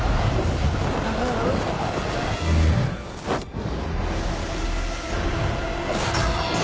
あっ。